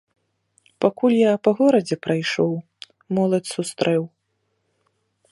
Пакуль я па горадзе прайшоў, моладзь сустрэў.